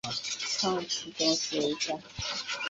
村中的大姓为樊氏。